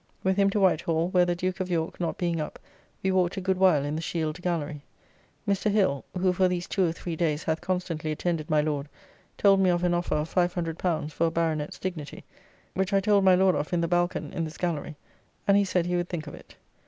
With him to White Hall, where the Duke of York not being up, we walked a good while in the Shield Gallery. Mr. Hill (who for these two or three days hath constantly attended my Lord) told me of an offer of L500 for a Baronet's dignity, which I told my Lord of in the balcone in this gallery, and he said he would think of it.